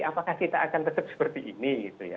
apakah kita akan tetap seperti ini